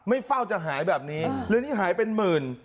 เฝ้าจะหายแบบนี้หรือนี่หายเป็นหมื่น